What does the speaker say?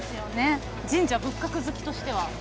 神社仏閣好きとしては？